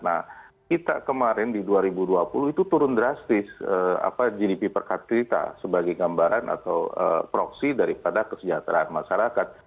nah kita kemarin di dua ribu dua puluh itu turun drastis gdp per kapita sebagai gambaran atau proksi daripada kesejahteraan masyarakat